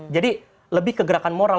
jadi lebih ke gerakan moral